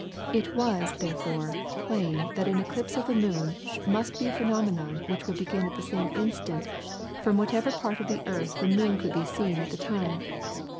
It was, therefore, plain that an eclipse of the moon must be a phenomenon which would begin at the same instant from whatever part of the earth the moon could be seen at the time.